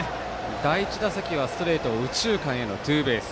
第１打席はストレートを右中間へのツーベース。